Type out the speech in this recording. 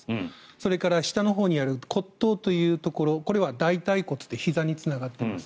それから、下のほうにある骨頭というところこれは大腿骨にあるひざにつながっています。